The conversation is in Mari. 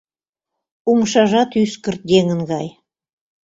Умшажат ӱскырт еҥын гай.